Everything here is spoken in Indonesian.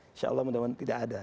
insya allah mudah mudahan tidak ada